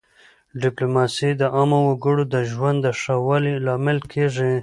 ډیپلوماسي د عامو وګړو د ژوند د ښه والي لامل کېږي.